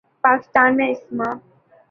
پاکستان میں اسما